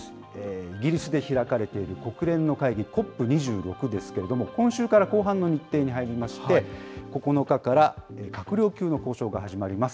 イギリスで開かれている国連の会議、ＣＯＰ２６ですけれども、今週から後半の日程に入りまして、９日から閣僚級の交渉が始まります。